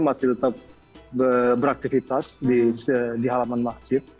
mas fad masih tetap beraktifitas di halaman makjid